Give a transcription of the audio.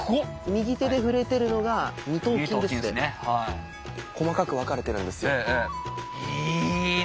右手で触れてるのが細かく分かれてるんですよ。